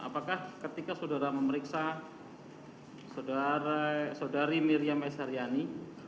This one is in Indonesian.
apakah ketika saudara memeriksa saudari miriam esaryani